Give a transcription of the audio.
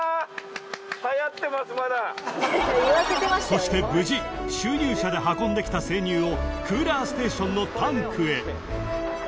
［そして無事集乳車で運んできた生乳をクーラーステーションのタンクへ］